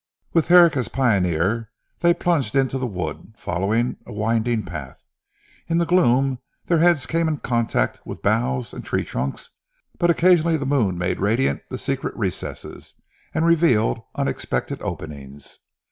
With Herrick as pioneer, they plunged into the wood, following a winding path. In the gloom, their heads came into contact with boughs and tree trunks but occasionally the moon made radiant the secret recesses, and revealed unexpected openings.